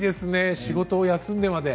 仕事を休んでまで。